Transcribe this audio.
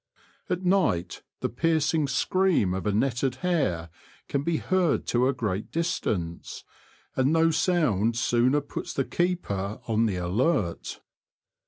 At night the piercing scream of a netted hare can be heard to a great distance, and no sound sooner puts the keeper on the alert.